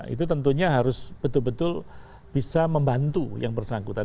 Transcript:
itu tentunya harus betul betul bisa membantu yang bersangkutan